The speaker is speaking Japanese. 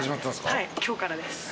はい今日からです。